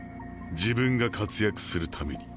「自分が活躍するために」。